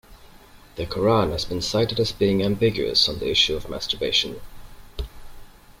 The Qur'an has been cited as being ambiguous on the issue of masturbation.